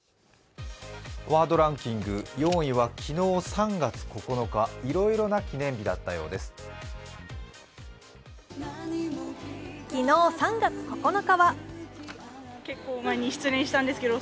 ワードランキング４位は昨日３月９日、いろいろな記念日だったようです。